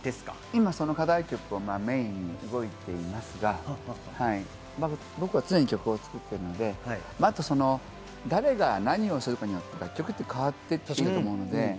今、課題曲をメインに動いていますが、僕は常に曲を作っているので、あと誰が何をするか曲って変わっていくと思うので。